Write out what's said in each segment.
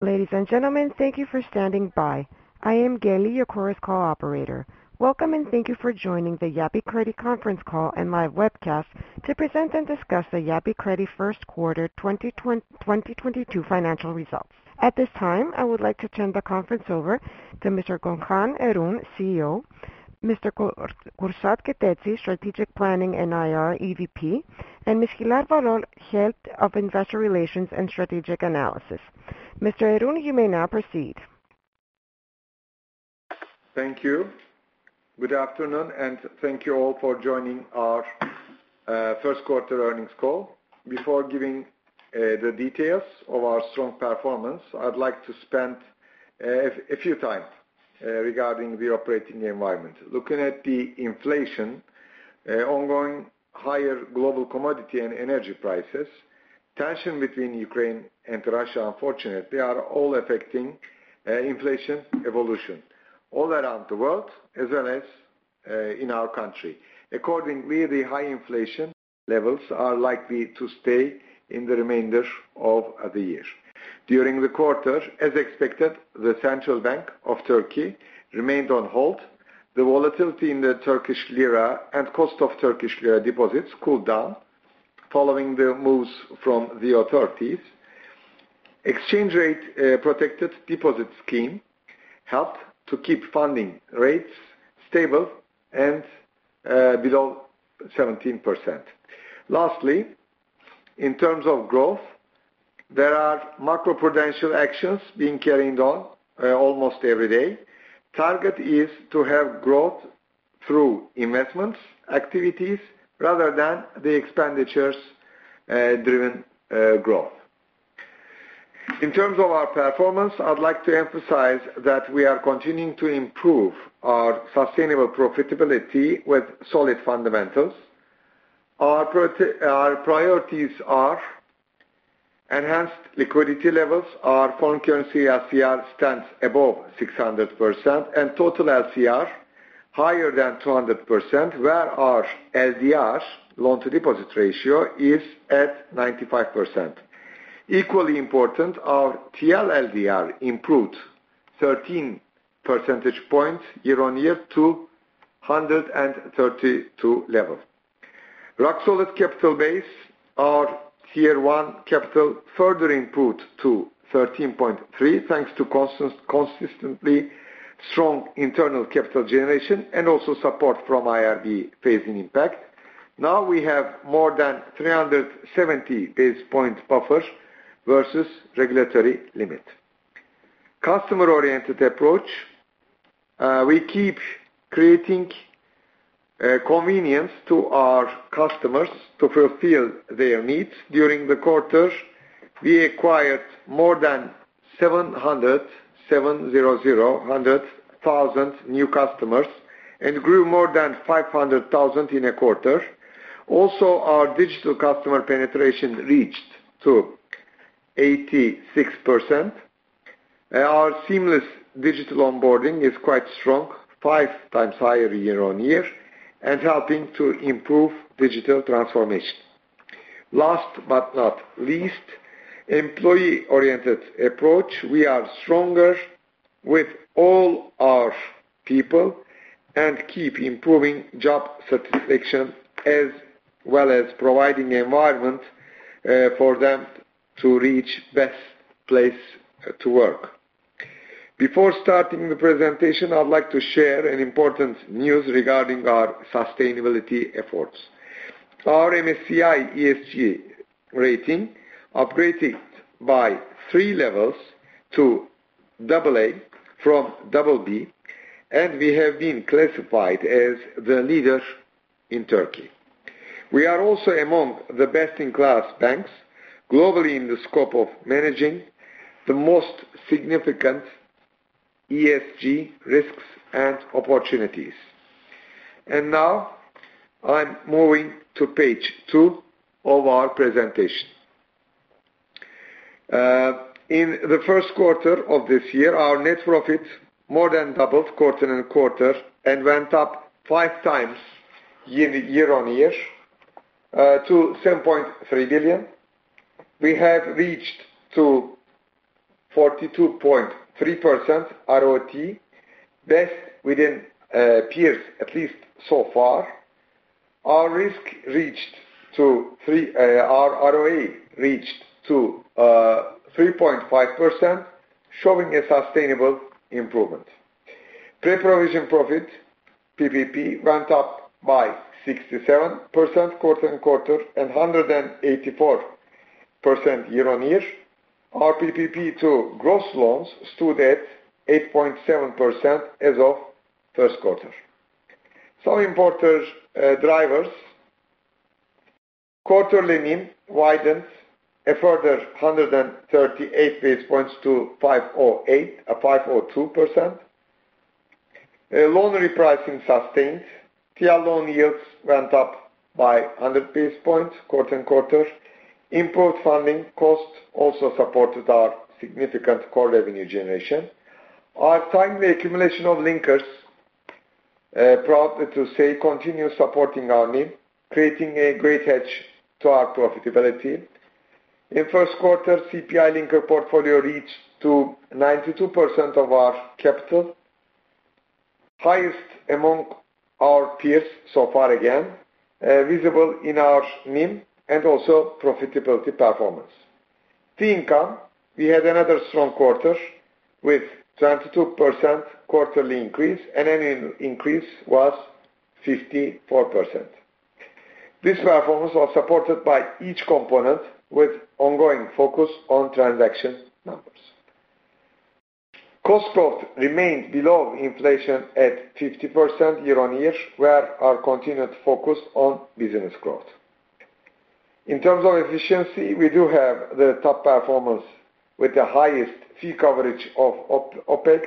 Ladies and gentlemen, thank you for standing by. I am Kelly, your Chorus Call operator. Welcome, and thank you for joining the Yapı Kredi conference call and live webcast to present and discuss the Yapı Kredi first quarter 2022 financial results. At this time, I would like to turn the conference over to Mr. Gökhan Erün, CEO, Mr. Kürşad Keteci, Strategic Planning and IR EVP, and Ms. Hilal Varol, Head of Investor Relations and Strategic Analysis. Mr. Erün, you may now proceed. Thank you. Good afternoon, and thank you all for joining our first quarter earnings call. Before giving the details of our strong performance, I'd like to spend a few minutes regarding the operating environment. Looking at the inflation, ongoing higher global commodity and energy prices, tension between Ukraine and Russia, unfortunately, are all affecting inflation evolution all around the world as well as in our country. Accordingly, the high inflation levels are likely to stay in the remainder of the year. During the quarter, as expected, the Central Bank of Turkey remained on hold. The volatility in the Turkish lira and cost of Turkish lira deposits cooled down following the moves from the authorities. Exchange rate protected deposit scheme helped to keep funding rates stable and below 17%. Lastly, in terms of growth, there are macro-prudential actions being carried on almost every day. Target is to have growth through investments activities rather than the expenditures driven growth. In terms of our performance, I'd like to emphasize that we are continuing to improve our sustainable profitability with solid fundamentals. Our priorities are enhanced liquidity levels. Our foreign currency LCR stands above 600% and total LCR higher than 200%, where our LDR, loan-to-deposit ratio, is at 95%. Equally important, our TL LDR improved 13 %age points year-on-year to 132 level. Rock-solid capital base. Our Tier 1 capital further improved to 13.3, thanks to consistently strong internal capital generation and also support from IRB phasing impact. Now we have more than 370 basis point buffer versus regulatory limit. Customer-oriented approach. We keep creating convenience to our customers to fulfill their needs. During the quarter, we acquired more than 700,000 new customers and grew more than 500,000 in a quarter. Also, our digital customer penetration reached to 86%. Our seamless digital onboarding is quite strong, five times higher year-on-year and helping to improve digital transformation. Last but not least, employee-oriented approach. We are stronger with all our people and keep improving job satisfaction as well as providing environment for them to reach best place to work. Before starting the presentation, I'd like to share an important news regarding our sustainability efforts. Our MSCI ESG rating upgraded by three levels to AA from BB, and we have been classified as the leader in Turkey. We are also among the best-in-class banks globally in the scope of managing the most significant ESG risks and opportunities. Now I'm moving to page two of our presentation. In the first quarter of this year, our net profit more than doubled quarter-on-quarter and went up five times year-on-year to 7.3 billion. We have reached to 42.3% ROE, best within peers, at least so far. Our ROA reached to 3.5%, showing a sustainable improvement. Pre-provision profit, PPP, went up by 67% quarter-on-quarter and 184% year-on-year. Our PPP to gross loans stood at 8.7% as of first quarter. Some important drivers. Quarterly NIM widened a further 138 basis points to 5.08, 5.02%. Loan repricing sustained. TL loan yields went up by 100 basis points quarter-on-quarter. Input funding costs also supported our significant core revenue generation. Our timely accumulation of linkers. Proud to say continue supporting our NIM, creating a great hedge to our profitability. In first quarter, CPI linker portfolio reached 92% of our capital, highest among our peers so far again, visible in our NIM and also profitability performance. Fee income, we had another strong quarter with 22% quarterly increase, and annual increase was 54%. This performance was supported by each component with ongoing focus on transaction numbers. Cost growth remained below inflation at 50% year-on-year, where our continued focus on business growth. In terms of efficiency, we do have the top performance with the highest fee coverage of OpEx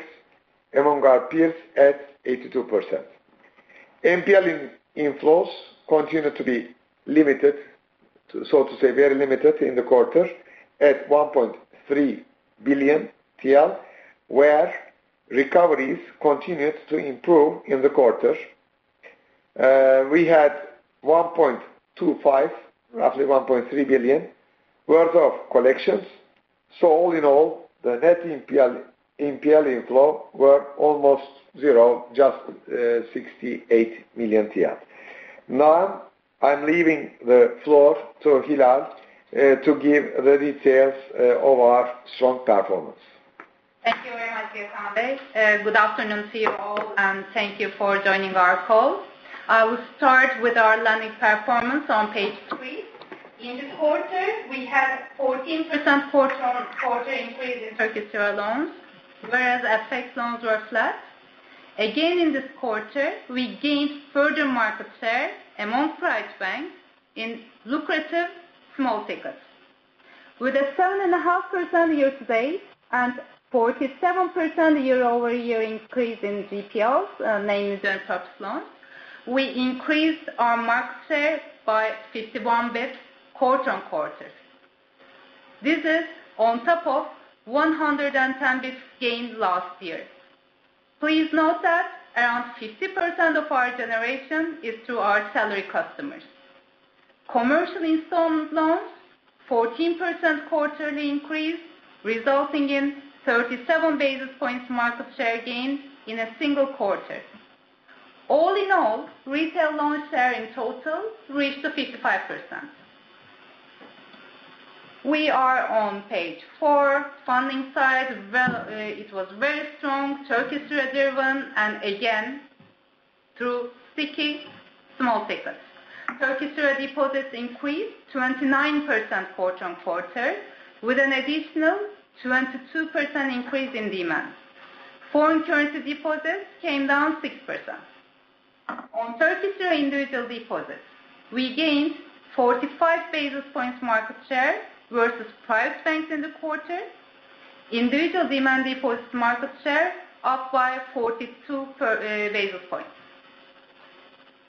among our peers at 82%. NPL inflows continued to be limited to, so to say, very limited in the quarter at TL 1.3 billion, where recoveries continued to improve in the quarter. We had 1.25, roughly TL 1.3 billion worth of collections. All in all, the net NPL inflow was almost zero, just TL 68 million. I'm leaving the floor to Hilal to give the details of our strong performance. Thank you very much, Gökhan Bey. Good afternoon to you all, and thank you for joining our call. I will start with our lending performance on page 3. In the quarter, we had 14% quarter-on-quarter increase in Turkish lira loans, whereas FX loans were flat. Again, in this quarter, we gained further market share among private banks in lucrative small tickets. With a 7.5% year-to-date and 47% year-over-year increase in GPLs, mainly personal loans, we increased our market share by 51 basis points quarter-on-quarter. This is on top of 110 basis points gained last year. Please note that around 50% of our generation is through our salary customers. Commercial installment loans, 14% quarterly increase, resulting in 37 basis points market share gains in a single quarter. All in all, retail loan share in total reached to 55%. We are on page four. Funding side, well, it was very strong, Turkish lira driven, and again, through sticky small tickets. Turkish lira deposits increased 29% quarter-over-quarter with an additional 22% increase in demand. Foreign currency deposits came down 6%. On Turkish lira individual deposits, we gained 45 basis points market share versus prior banks in the quarter. Individual demand deposit market share up by 42 basis points.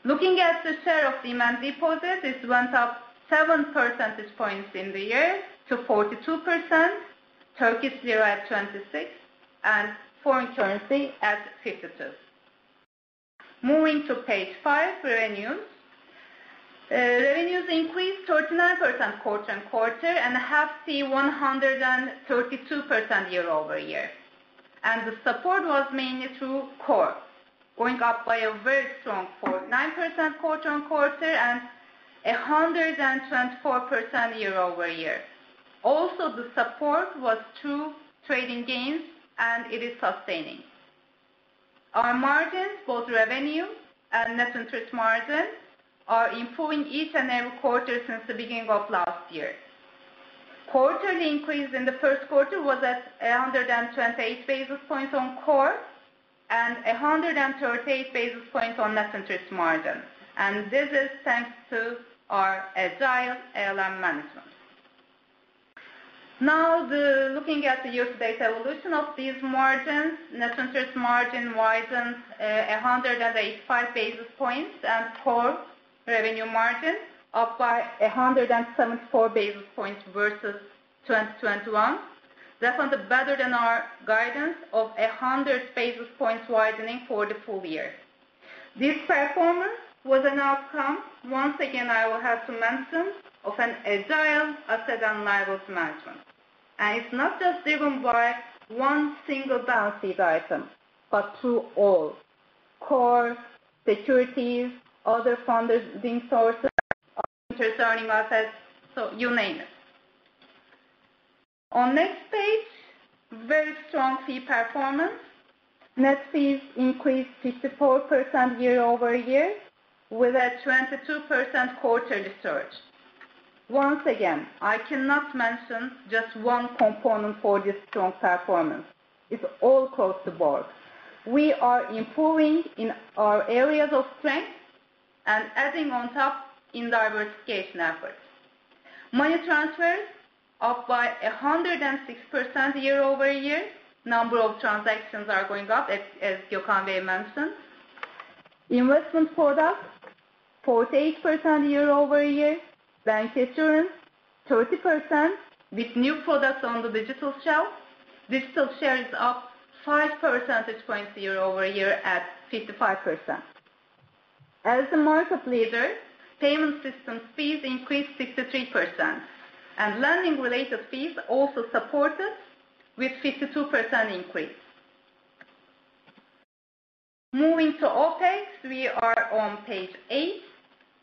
Looking at the share of demand deposit, it went up 7 %age points in the year to 42%, Turkish lira at 26%, and foreign currency at 52%. Moving to page five, revenues. Revenues increased 39% quarter-over-quarter and a hefty 132% year-over-year. The support was mainly through core, going up by a very strong 49% quarter-on-quarter and 124% year-over-year. Also, the support was through trading gains, and it is sustaining. Our margins, both revenue and net interest margin, are improving each and every quarter since the beginning of last year. Quarterly increase in the first quarter was at 128 basis points on core and 138 basis points on net interest margin. This is thanks to our agile ALM management. Now, looking at the year-to-date evolution of these margins, net interest margin widens 185 basis points and core revenue margin up by 174 basis points versus 2021. That was better than our guidance of 100 basis points widening for the full year. This performance was an outcome, once again, I will have to mention, of an agile asset and liability management. It's not just driven by one single balance sheet item, but through all. Core, securities, other funding sources, interest earning assets, so you name it. On next page, very strong fee performance. Net fees increased 54% year-over-year with a 22% quarterly surge. Once again, I cannot mention just one component for this strong performance. It's all across the board. We are improving in our areas of strength and adding on top in diversification efforts. Money transfers up by 106% year-over-year. Number of transactions are going up as Gökhan Bey mentioned. Investment products, 48% year-over-year. Bank insurance, 30%. With new products on the digital shelf, digital share is up 5 %age points year-over-year at 55%. As the market leader, payment systems fees increased 63%. Lending related fees also supported with 52% increase. Moving to OpEx, we are on page eight.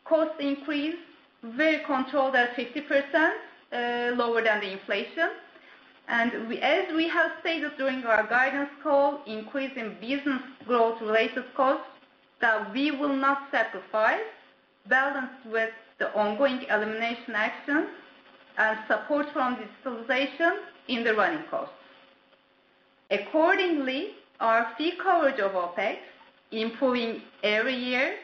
Cost increase very controlled at 50%, lower than the inflation. As we have stated during our guidance call, increase in business growth related costs that we will not sacrifice balanced with the ongoing elimination actions and support from digitalization in the running costs. Accordingly, our fee coverage of OpEx, improving every year,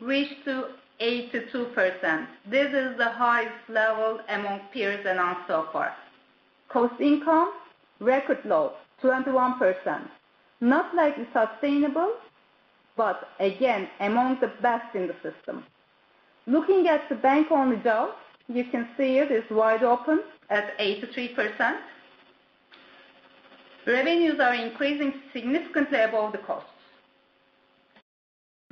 reached to 82%. This is the highest level among peers and also far. Cost income, record low, 21%. Not likely sustainable, but again, among the best in the system. Looking at the bank-only sales, you can see it is wide open at 83%. Revenues are increasing significantly above the costs.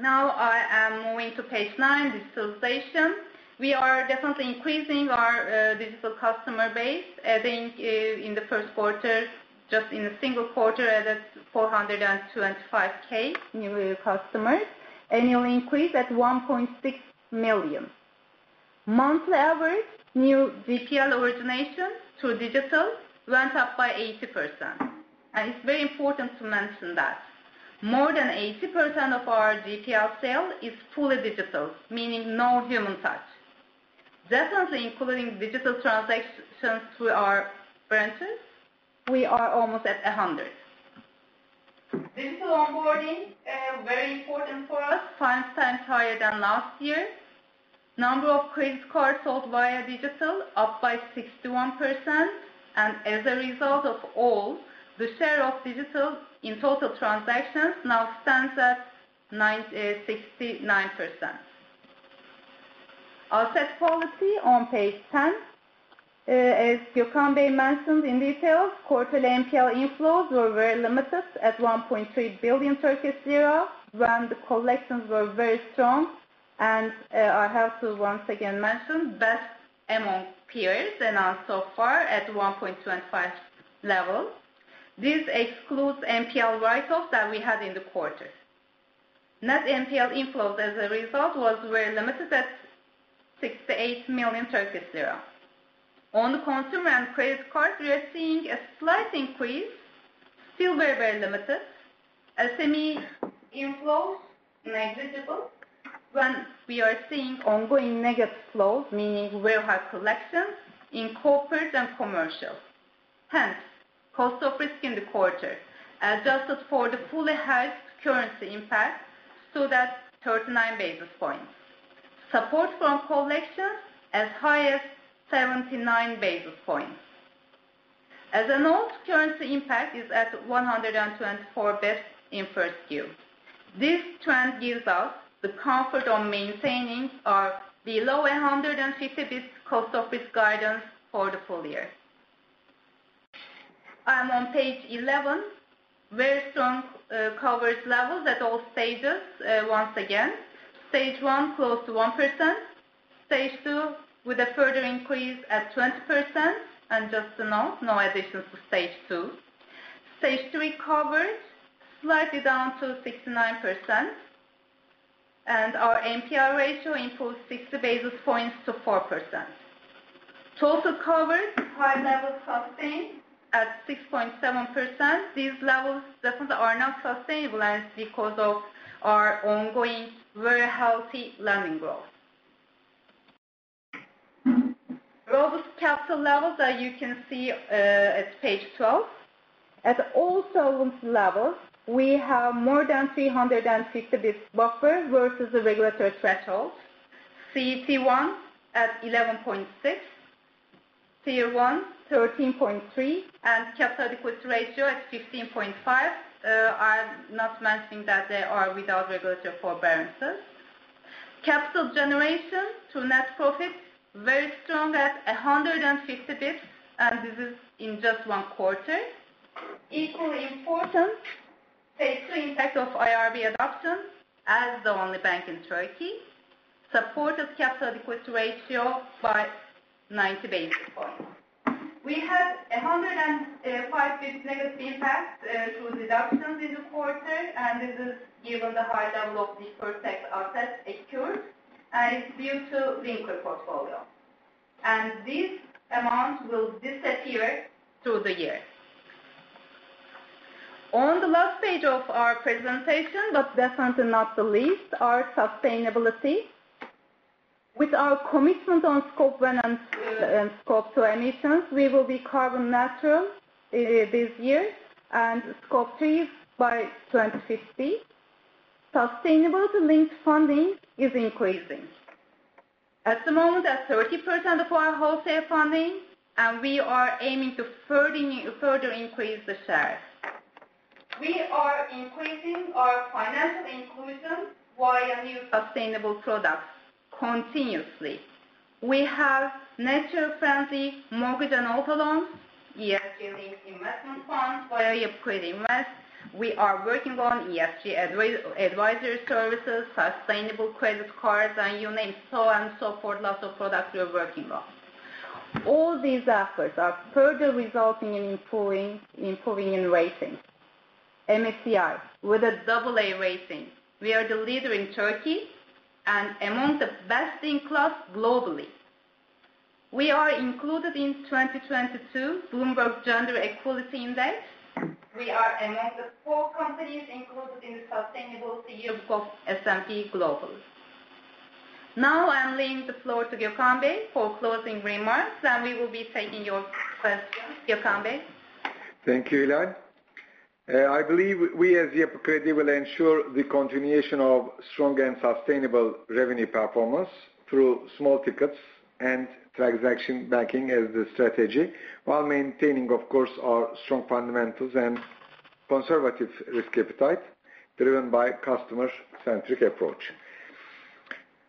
Now I am moving to page nine, digitalization. We are definitely increasing our digital customer base, adding in the first quarter, just in a single quarter, 425 thousand new customers. Annual increase at 1.6 million. Monthly average new GPL origination through digital went up by 80%. It's very important to mention that more than 80% of our GPL sale is fully digital, meaning no human touch. Definitely including digital transactions through our branches, we are almost at a hundred. Digital onboarding very important for us, five times higher than last year. Number of credit cards sold via digital up by 61%. As a result of all, the share of digital in total transactions now stands at 69%. Asset quality on page ten. As Gökhan Bey mentioned in details, quarterly NPL inflows were very limited at 1.3 billion Turkish lira, when the collections were very strong and I have to once again mention, best among peers and also far at 1.25 level. This excludes NPL write-offs that we had in the quarter. Net NPL inflows as a result was very limited at 68 million Turkish lira. On the consumer and credit cards, we are seeing a slight increase, still very, very limited. SME inflows negligible. When we are seeing ongoing negative flows, meaning very high collections in corporate and commercial. Hence, cost of risk in the quarter, adjusted for the fully hedged currency impact, stood at 39 basis points. Support from collections as high as 79 basis points. As a note, currency impact is at 124 basis points in first Q. This trend gives us the comfort on maintaining our below 150 basis points cost of risk guidance for the full year. I'm on page 11. Very strong coverage levels at all stages, once again. Stage one close to 1%. Stage two with a further increase at 20%. Just to note, no additions to Stage two. Stage three coverage slightly down to 69%. Our NPL ratio improved 60 basis points to 4%. Total coverage, high levels sustained at 6.7%. These levels definitely are sustainable because of our ongoing very healthy lending growth. Robust capital levels that you can see at page 12. At all solvency levels, we have more than 360 basis points buffer versus the regulatory threshold. CET one at 11.6. Tier one, 13.3. Capital adequacy ratio at 15.5%. I'm not mentioning that they are without regulatory forbearance. Capital generation through net profits very strong at 150 basis points, and this is in just one quarter. Equally important, phase two impact of IRB adoption as the only bank in Turkey supported capital adequacy ratio by 90 basis points. We had a 105 basis points negative impact through deductions this quarter, and this is given the high level of deferred tax assets accrued, and it's due to the equity portfolio. This amount will disappear through the year. On the last page of our presentation, but definitely not the least, our sustainability. With our commitment on Scope one and Scope two emissions, we will be carbon neutral this year and Scope three by 2050. Sustainability-linked funding is increasing. At the moment, 30% of our wholesale funding, and we are aiming to further increase the share. We are increasing our financial inclusion via new sustainable products continuously. We have nature-friendly mortgage and auto loans, ESG-linked investment funds via Yapı Kredi Invest. We are working on ESG advisory services, sustainable credit cards, and you name it so on so forth, lots of products we are working on. All these efforts are further resulting in improving in ratings. MSCI with an AA rating. We are the leader in Turkey and among the best in class globally. We are included in 2022 Bloomberg Gender-Equality Index. We are among the four companies included in the Sustainability Yearbook S&P Global. Now, I am leaving the floor to Gökhan Bey for closing remarks, then we will be taking your questions. Gökhan Bey. Thank you, Hilal. I believe we as Yapı Kredi will ensure the continuation of strong and sustainable revenue performance through small tickets and transaction banking as the strategy, while maintaining, of course, our strong fundamentals and conservative risk appetite driven by customer-centric approach.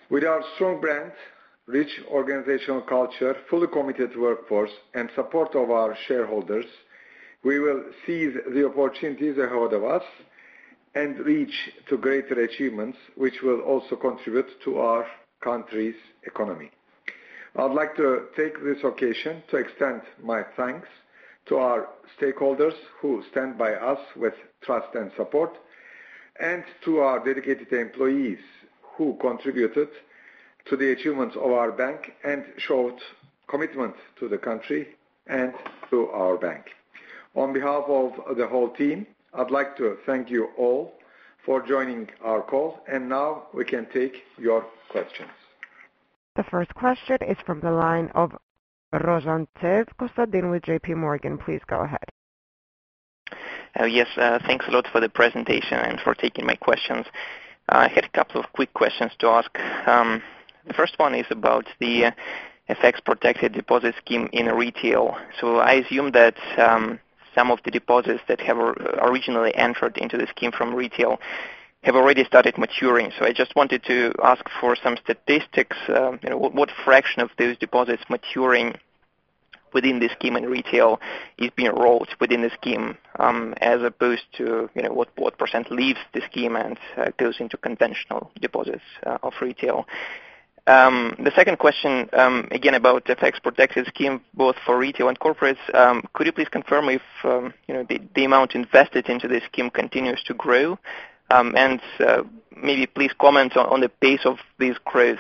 With our strong brand, rich organizational culture, fully committed workforce, and support of our shareholders, we will seize the opportunities ahead of us and reach to greater achievements, which will also contribute to our country's economy. I'd like to take this occasion to extend my thanks to our stakeholders who stand by us with trust and support, and to our dedicated employees who contributed to the achievements of our bank and showed commitment to the country and to our bank. On behalf of the whole team, I'd like to thank you all for joining our call. Now we can take your questions. The first question is from the line of Konstantin Rozantsev with JP Morgan. Please go ahead. Yes. Thanks a lot for the presentation and for taking my questions. I had a couple of quick questions to ask. The first one is about the FX-protected deposit scheme in retail. So I assume that some of the deposits that have originally entered into the scheme from retail have already started maturing. So I just wanted to ask for some statistics. You know, what fraction of those deposits maturing within the scheme in retail is being rolled within the scheme, as opposed to, you know, what percent leaves the scheme and goes into conventional deposits of retail. The second question, again about FX-protected scheme both for retail and corporates, could you please confirm if, you know, the amount invested into this scheme continues to grow? Maybe please comment on the pace of this growth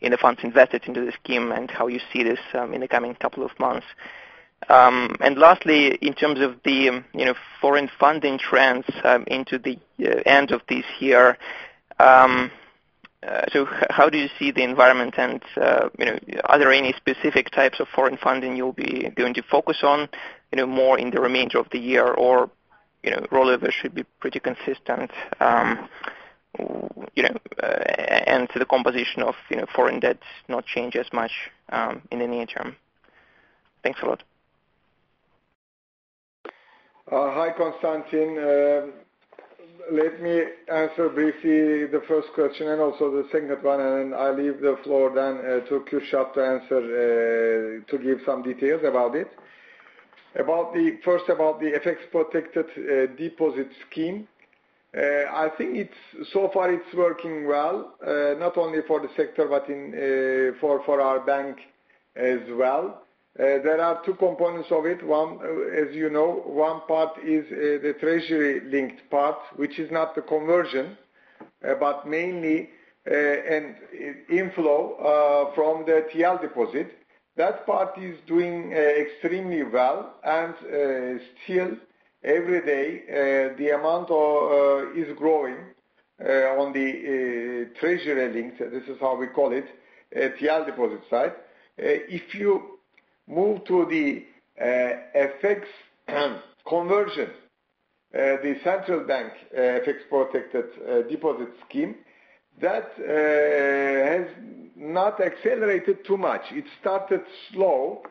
in the funds invested into the scheme and how you see this in the coming couple of months. Lastly, in terms of the, you know, foreign funding trends into the end of this year, so how do you see the environment and, you know, are there any specific types of foreign funding you'll be going to focus on, you know, more in the remainder of the year? You know, rollover should be pretty consistent, you know, and to the composition of, you know, foreign debt not change as much in the near term. Thanks a lot. Hi, Konstantin. Let me answer briefly the first question and also the second one, and then I leave the floor to Kürşad to answer, to give some details about it. First, about the FX-protected deposit scheme. I think so far it's working well, not only for the sector, but for our bank as well. There are two components of it. One, as you know, one part is the treasury-linked part, which is not the conversion, but mainly an inflow from the TL deposit. That part is doing extremely well. Still every day the amount is growing on the treasury-linked. This is how we call it, TL deposit side. If you move to the FX conversion, the central bank FX-protected deposit scheme, that has not accelerated too much. It started slow.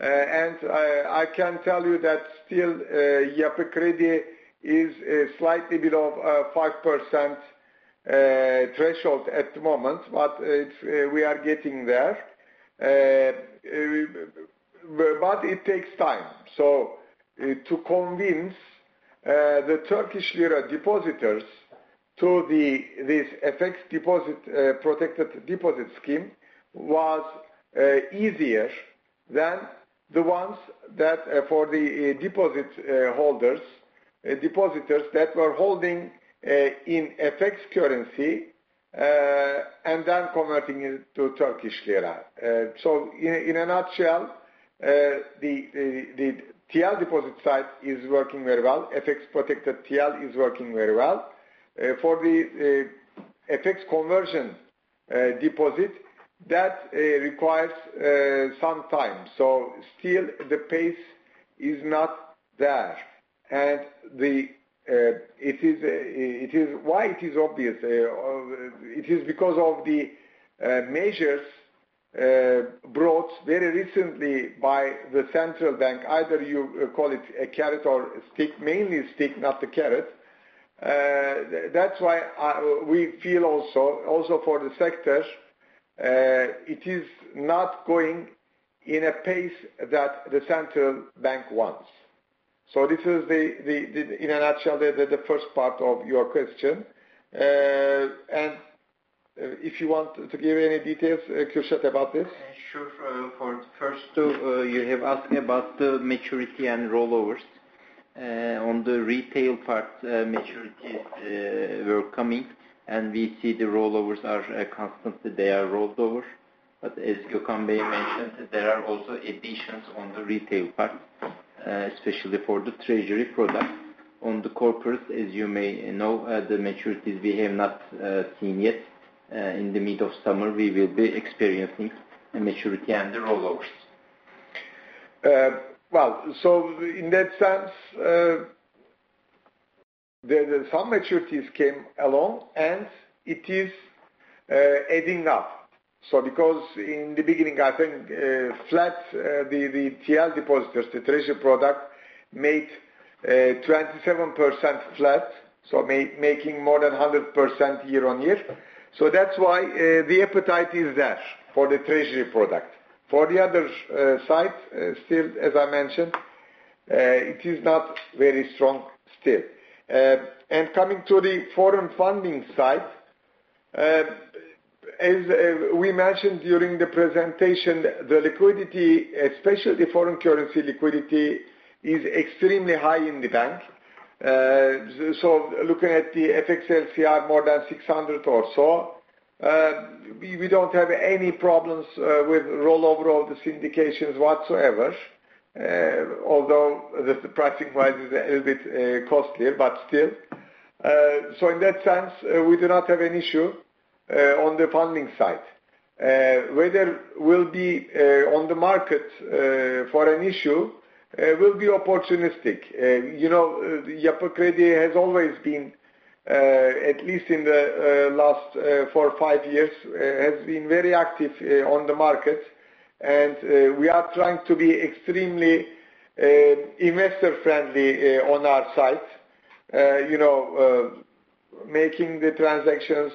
I can tell you that still, Yapı Kredi is slightly below the 5% threshold at the moment, but we are getting there. It takes time. To convince the Turkish lira depositors to this FX-protected deposit scheme was easier than for the depositors that were holding in FX currency and then converting it to Turkish lira. In a nutshell, the TL deposit side is working very well. FX-protected TL is working very well. For the FX conversion deposit, that requires some time. Still the pace is not there. Why it is obvious? It is because of the measures brought very recently by the central bank, either you call it a carrot or a stick, mainly stick, not the carrot. That's why we feel also for the sector, it is not going at a pace that the central bank wants. This is in a nutshell the first part of your question. If you want to give any details, Kürşad about this. Sure. For the first two, you have asked me about the maturity and rollovers. On the retail part, maturities are coming, and we see the rollovers are constant. They are rolled over. But as Gökhan Bey mentioned, there are also additions on the retail part, especially for the treasury product. On the corporate, as you may know, the maturities we have not seen yet. In the middle of summer, we will be experiencing a maturity and the rollovers. Well, in that sense, some maturities came along, and it is adding up. Because in the beginning, I think flat, the TL depositors, the treasury product, made 27% flat, making more than 100% year-on-year. That's why the appetite is there for the treasury product. For the other side, still, as I mentioned, it is not very strong still. Coming to the foreign funding side, as we mentioned during the presentation, the liquidity, especially foreign currency liquidity, is extremely high in the bank. Looking at the FX LCR more than 600 or so, we don't have any problems with rollover of the syndications whatsoever, although the pricing-wise is a little bit costlier, but still. In that sense, we do not have an issue on the funding side. Whether we'll be on the market for an issue will be opportunistic. You know, Yapı Kredi has always been, at least in the last four or five years, has been very active on the market. We are trying to be extremely investor-friendly on our side. You know, making the transactions,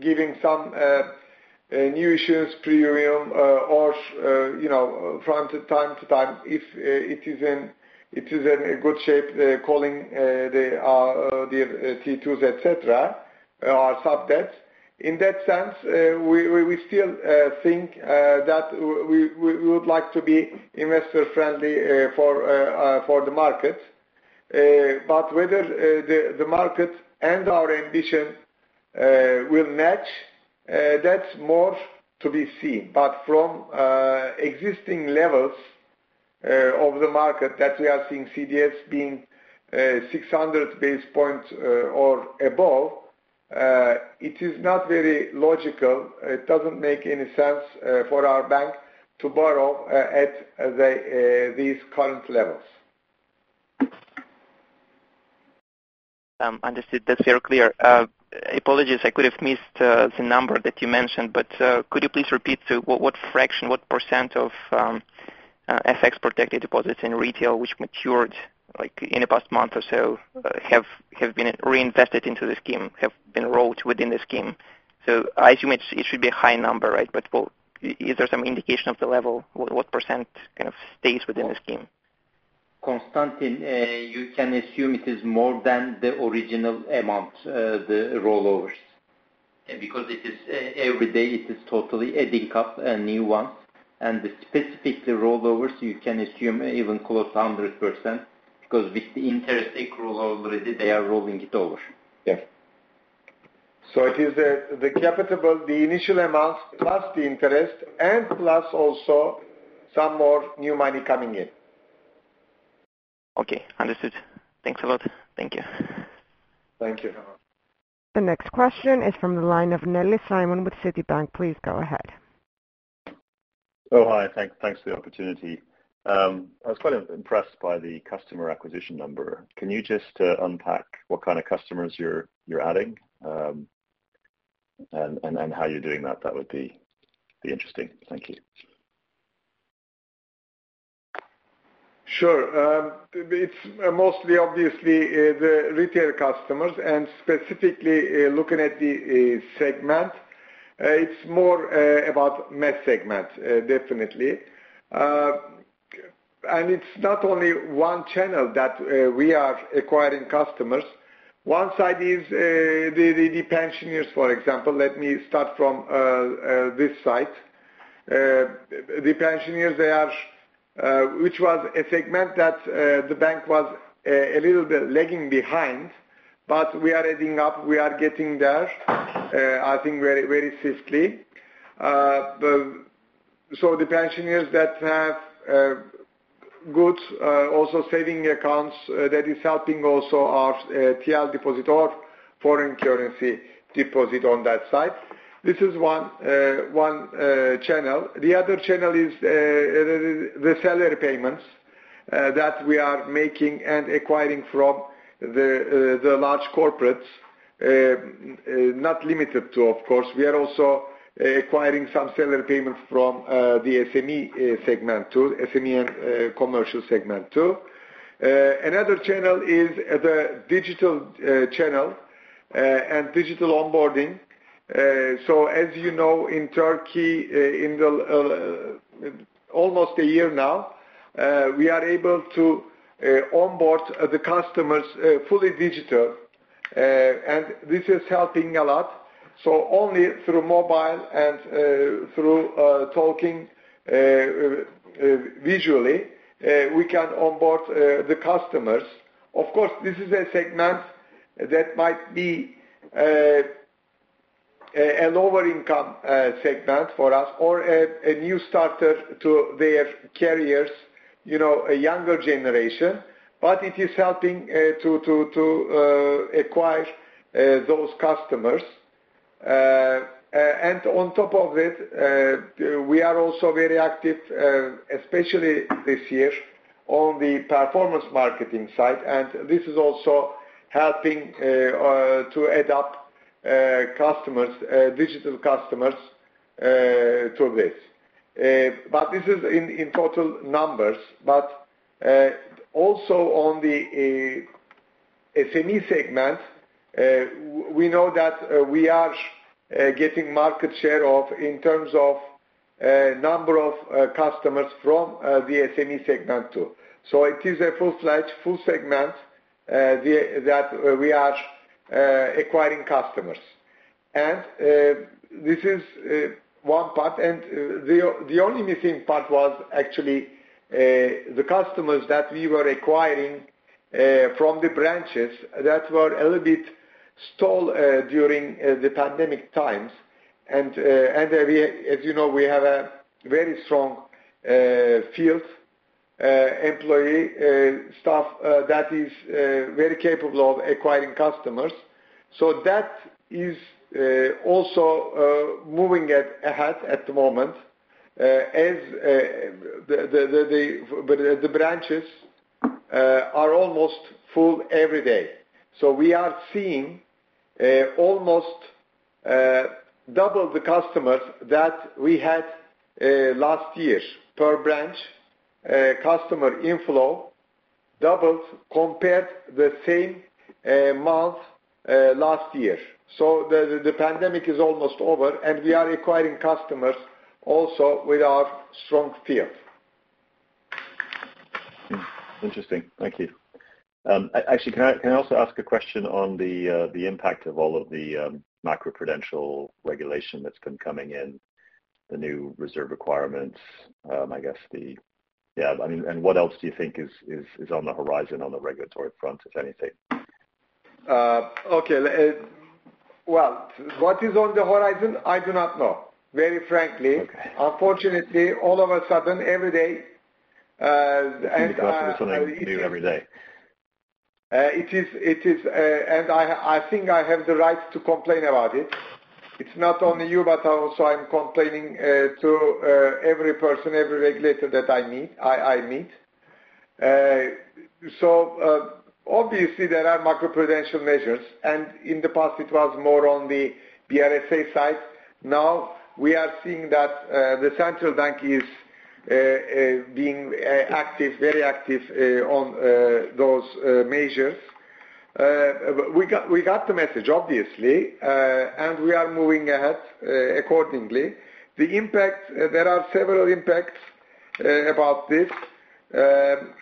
giving some new issues premium, or, you know, from time to time, if it is in a good shape, calling the AT2s, et cetera, or sub debts. In that sense, we still think that we would like to be investor friendly for the market. Whether the market and our ambition will match, that's more to be seen. From existing levels of the market that we are seeing CDS being 600 basis points or above, it is not very logical. It doesn't make any sense for our bank to borrow at these current levels. Understood. That's very clear. Apologies, I could have missed the number that you mentioned, but could you please repeat what fraction, what percent of FX-protected deposits in retail which matured, like, in the past month or so have been reinvested into the scheme, have been rolled within the scheme? I assume it should be a high number, right? But what? Is there some indication of the level? What % kind of stays within the scheme? Konstantin, you can assume it is more than the original amount, the rollovers. Because it is, every day it is totally adding up a new one. Specifically rollovers, you can assume even close to 100%, because with the interest accrual already, they are rolling it over. Yeah. It is the capital, the initial amount plus the interest and plus also some more new money coming in. Okay. Understood. Thanks a lot. Thank you. Thank you. The next question is from the line of Simon Nellis with Citibank. Please go ahead. Oh, hi. Thanks for the opportunity. I was quite impressed by the customer acquisition number. Can you just unpack what kind of customers you're adding, and how you're doing that? That would be interesting. Thank you. Sure. It's mostly obviously the retail customers and specifically, looking at the segment, it's more about mass segment, definitely. It's not only one channel that we are acquiring customers. One side is the pensioners, for example. Let me start from this side. The pensioners, which was a segment that the bank was a little bit lagging behind, but we are catching up. We are getting there, I think very, very swiftly. The pensioners that have gold also savings accounts, that is also helping our TL deposit or foreign currency deposit on that side. This is one channel. The other channel is the salary payments that we are making and acquiring from the large corporates. Not limited to, of course, we are also acquiring some seller payments from the SME segment too, SME and commercial segment too. Another channel is the digital channel and digital onboarding. As you know, in Turkey, for almost a year now, we are able to onboard the customers fully digital. This is helping a lot. Only through mobile and through talking visually, we can onboard the customers. Of course, this is a segment that might be a lower income segment for us or a new starter to their careers, you know, a younger generation. It is helping to acquire those customers. On top of it, we are also very active, especially this year on the performance marketing side, and this is also helping to add up customers, digital customers, to this. This is in total numbers. Also on the SME segment, we know that we are getting market share in terms of number of customers from the SME segment too. It is a full-fledged full segment that we are acquiring customers. This is one part. The only missing part was actually the customers that we were acquiring from the branches that were a little bit stalled during the pandemic times. As you know, we have a very strong field employee staff that is very capable of acquiring customers. That is also moving ahead at the moment, as well, the branches are almost full every day. We are seeing almost double the customers that we had last year per branch. Customer inflow doubled compared to the same month last year. The pandemic is almost over, and we are acquiring customers also with our strong field. Interesting. Thank you. Actually, can I also ask a question on the impact of all of the macro-prudential regulation that's been coming in, the new reserve requirements? Yeah, I mean, and what else do you think is on the horizon on the regulatory front, if anything? Okay. Well, what is on the horizon? I do not know, very frankly. Okay. Unfortunately, all of a sudden, every day. Something new every day. It is and I think I have the right to complain about it. It's not only you, but also I'm complaining to every person, every regulator that I meet. Obviously there are macro-prudential measures, and in the past it was more on the BRSA side. Now we are seeing that the Central Bank is being active, very active, on those measures. We got the message, obviously, and we are moving ahead accordingly. The impact. There are several impacts about this. Where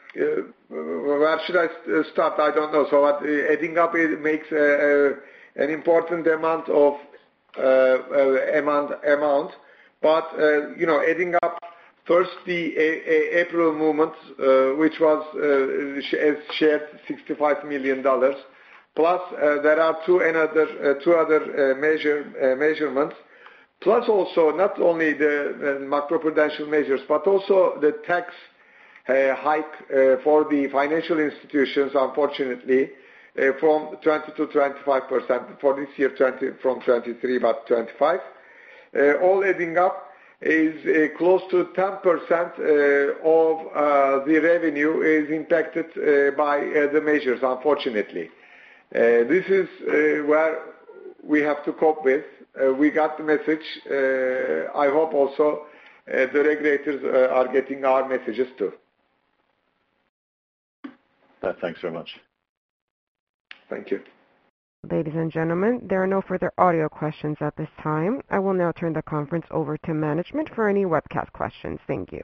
should I start? I don't know. Adding up, it makes an important amount. You know, adding up first the April movement, which was, as shared, $65 million, plus, there are two other measurements, plus also not only the macro-prudential measures, but also the tax hike for the financial institutions, unfortunately, from 20%-25%. For this year, from 23 about 25. All adding up is close to 10% of the revenue is impacted by the measures, unfortunately. This is where we have to cope with. We got the message. I hope also the regulators are getting our messages too. Thanks very much. Thank you. Ladies and gentlemen, there are no further audio questions at this time. I will now turn the conference over to management for any webcast questions. Thank you.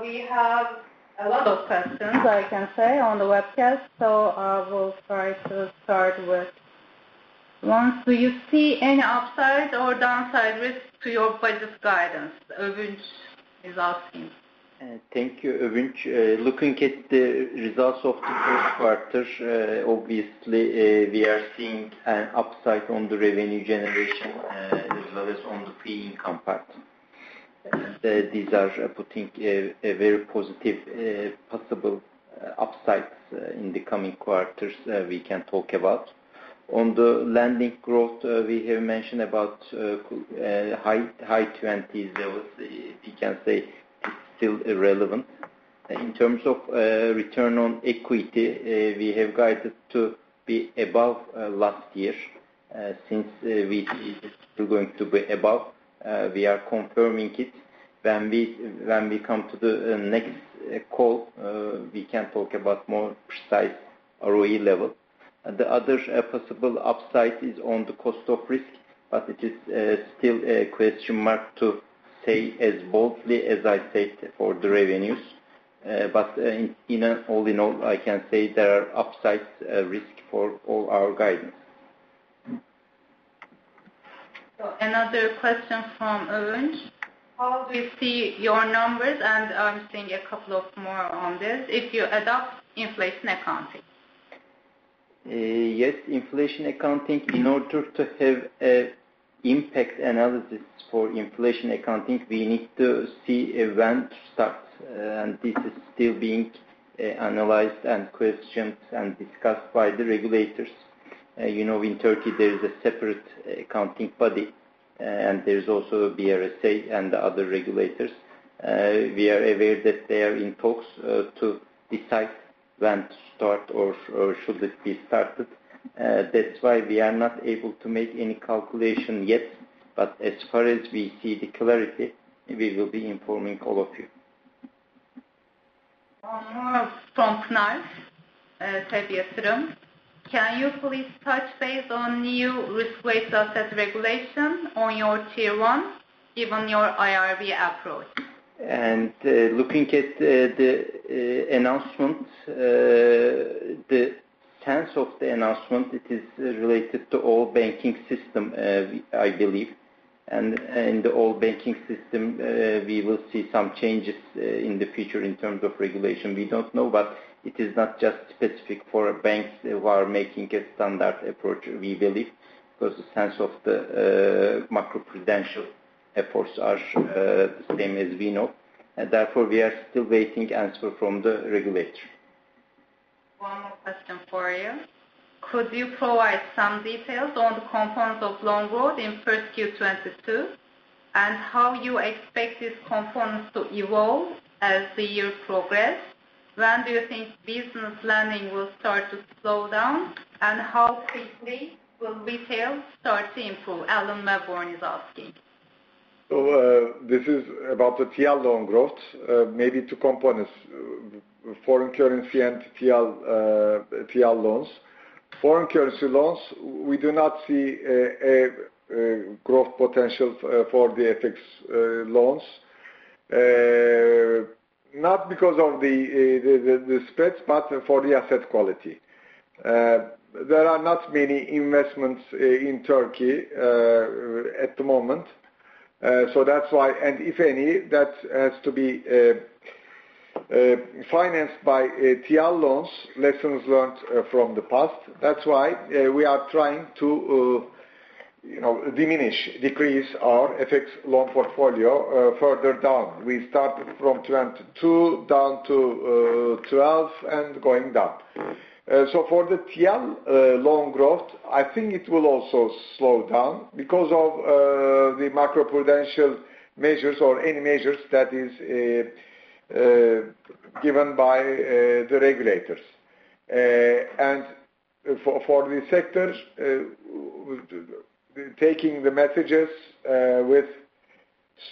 We have a lot of questions I can see on the webcast, so I will try to start with one. Do you see any upside or downside risk to your budget guidance? Ovunç is asking. Thank you, Ovunç. Looking at the results of the first quarter, obviously, we are seeing an upside on the revenue generation, as well as on the fee income part. These are putting a very positive possible upsides in the coming quarters, we can talk about. On the lending growth, we have mentioned about high 20s levels. We can say it's still relevant. In terms of return on equity, we have guided to be above last year. Since we are going to be above, we are confirming it. When we come to the next call, we can talk about more precise ROE level. The other possible upside is on the cost of risk, but it is still a question mark to say as boldly as I said for the revenues. All in all, I can say there are upside risk for all our guidance. Another question from Erin. How do you see your numbers, and I'm seeing a couple of more on this, if you adopt inflation accounting? Yes, inflation accounting. In order to have impact analysis for inflation accounting, we need to see when to start, and this is still being analyzed and questioned and discussed by the regulators. You know, in Turkey, there is a separate accounting body, and there is also BRSA and the other regulators. We are aware that they are in talks to decide when to start or should it be started. That's why we are not able to make any calculation yet. As far as we see the clarity, we will be informing all of you. One more from Knarf Tabyasrum. Can you please touch base on new risk-based asset regulation on your Tier one, given your IRB approach? Looking at the announcement, the sense of the announcement, it is related to all banking system, I believe. All banking system, we will see some changes in the future in terms of regulation. We don't know, but it is not just specific for banks who are making a standard approach, we believe. Because the sense of the macroprudential efforts are same as we know, and therefore we are still waiting answer from the regulator. One more question for you. Could you provide some details on the components of loan growth in first Q 2022, and how you expect these components to evolve as the year progress? When do you think business lending will start to slow down, and how quickly will retail start to improve? Alan Webborn is asking. This is about the TL loan growth, maybe two components, foreign currency and TL loans. Foreign currency loans, we do not see growth potential for the FX loans. Not because of the spreads, but for the asset quality. There are not many investments in Turkey at the moment. If any, that has to be financed by TL loans, lessons learned from the past. That's why, we are trying to, you know, diminish, decrease our FX loan portfolio further down. We started from 22% down to 12% and going down. For the TL loan growth, I think it will also slow down because of the macroprudential measures or any measures that is given by the regulators. For the sectors taking the messages with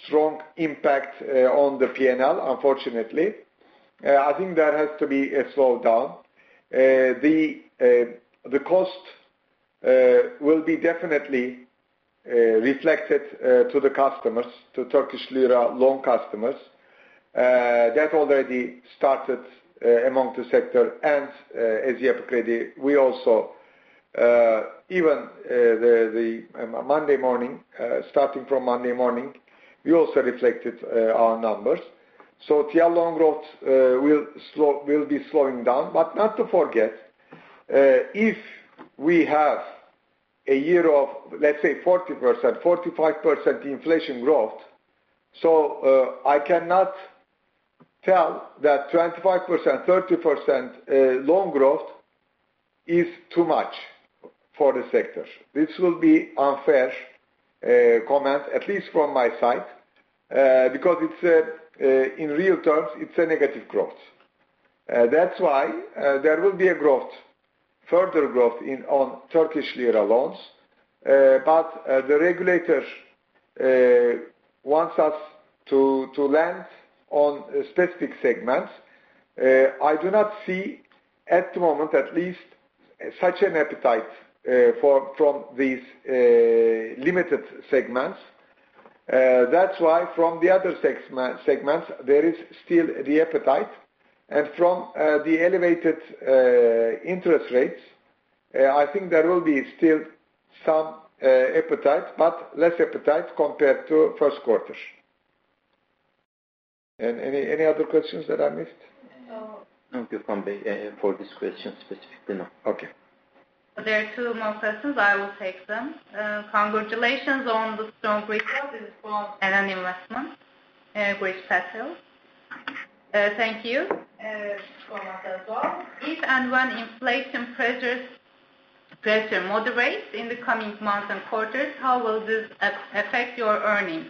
strong impact on the P&L, unfortunately. I think there has to be a slowdown. The cost will be definitely reflected to the customers, to Turkish lira loan customers. That already started among the sector. As Yapı Kredi, we also even the Monday morning starting from Monday morning we also reflected our numbers. TL loan growth will be slowing down. Not to forget, if we have a year of, let's say 40%-45% inflation growth, I cannot tell that 25%- 30% loan growth is too much for the sector. This will be unfair comment, at least from my side, because in real terms, it's a negative growth. That's why there will be a growth, further growth in Turkish lira loans. The regulator wants us to lend on specific segments. I do not see at the moment, at least such an appetite from these limited segments. That's why from the other segments, there is still the appetite. From the elevated interest rates, I think there will be still some appetite, but less appetite compared to first quarter. Any other questions that I missed? No. For this question specifically, no. Okay. There are two more questions. I will take them. Congratulations on the strong results. This is from NN Investment Partners, Grace Patel. Thank you for Matt as well. If and when inflation pressure moderates in the coming months and quarters, how will this affect your earnings?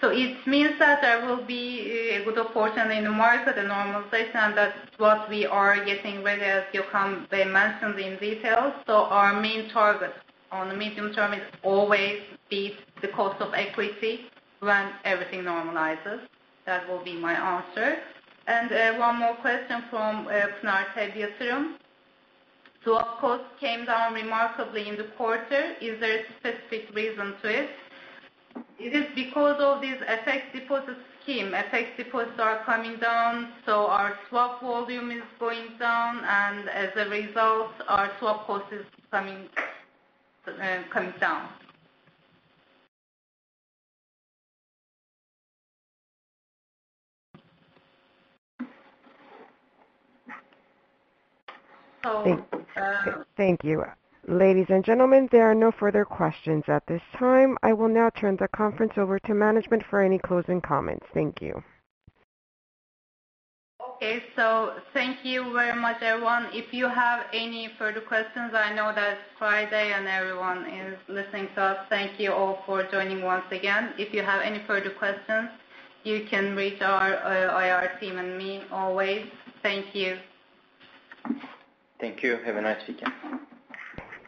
It means that there will be a good fortune in the market, a normalization, that's what we are getting ready, as Gökhan Bey mentioned in detail. Our main target on the medium term is always beat the cost of equity when everything normalizes. That will be my answer. One more question from Pinar Tabyasrum. Swap costs came down remarkably in the quarter. Is there a specific reason to it? It is because of this FX deposit scheme. FX deposits are coming down, so our swap volume is going down, and as a result, our swap cost is coming down. Thank you. Ladies and gentlemen, there are no further questions at this time. I will now turn the conference over to management for any closing comments. Thank you. Okay. Thank you very much, everyone. If you have any further questions, I know that it's Friday and everyone is listening to us. Thank you all for joining once again. If you have any further questions, you can reach our IR team and me always. Thank you. Thank you. Have a nice weekend.